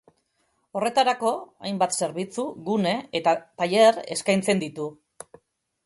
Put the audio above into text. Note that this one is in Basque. Horretarako, hainbat zerbitzu, gune eta tailer eskaintzen ditu.